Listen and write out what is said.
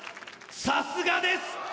さすがです